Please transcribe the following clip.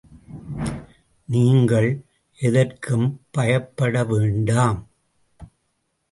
நீங்கள் எதற்கும் பயப்படவேண்டாம்.